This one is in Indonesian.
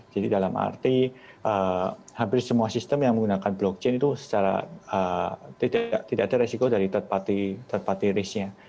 jadi dalam arti hampir semua sistem yang menggunakan blockchain itu secara tidak ada resiko dari terpati risk nya